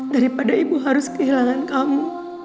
daripada ibu harus kehilangan kamu